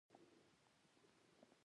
یوه هندۍ ښځینه لوبغاړې هم ښه نوم لري.